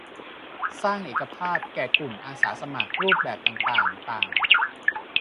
สร้างเอกภาพแก่กลุ่มอาสาสมัครรูปแบบต่างต่างต่าง